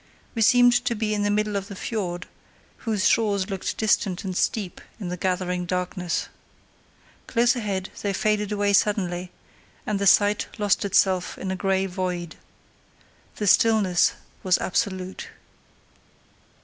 We seemed to be in the middle of the fiord, whose shores looked distant and steep in the gathering darkness. Close ahead they faded away suddenly, and the sight lost itself in a grey void. The stillness was absolute.